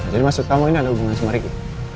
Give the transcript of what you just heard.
jadi maksud kamu ini ada hubungan sama riki